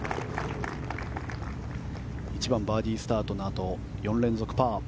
１番、バーディースタートのあと４連続パー。